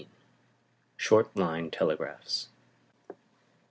SHORT LINE TELEGRAPHS.